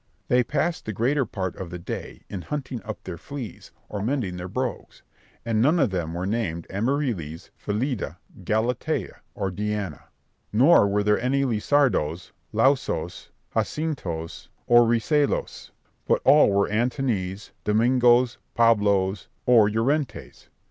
They passed the greater part of the day in hunting up their fleas or mending their brogues; and none of them were named Amarillis, Filida, Galatea, or Diana; nor were there any Lisardos, Lausos, Jacintos, or Riselos; but all were Antones, Domingos, Pablos, or Llorentes.